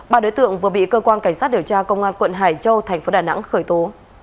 ba đối tượng vừa bị cơ quan cảnh sát điều tra công an quận hải châu thành phố đà nẵng khởi tố